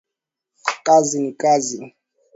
Kazi ni kazi